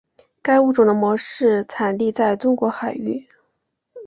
该物种的模式产地在中国海域。